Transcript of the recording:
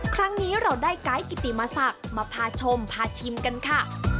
ครั้งนี้เราได้ไกด์กิติมศักดิ์มาพาชมพาชิมกันค่ะ